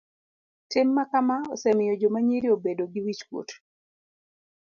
Tim makama osemiyo joma nyiri obedo gi wich kuot.